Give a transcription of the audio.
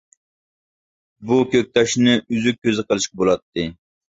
بۇ كۆكتاشنى ئۈزۈك كۆزى قىلىشقا بولاتتى.